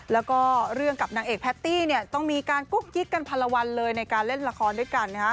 แล้วก็เรื่องกับนางเอกแพตตี้เนี่ยต้องมีการกุ๊กกิ๊กกันพันละวันเลยในการเล่นละครด้วยกันนะฮะ